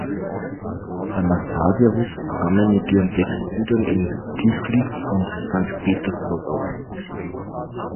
Anastasia wuchs zusammen mit ihren sechs Brüdern in Tiflis und Sankt Petersburg auf.